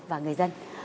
và người dân